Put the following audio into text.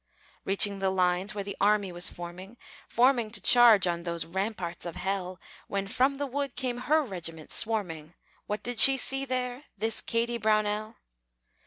Reaching the lines where the army was forming, Forming to charge on those ramparts of hell, When from the wood came her regiment swarming, What did she see there this Kady Brownell?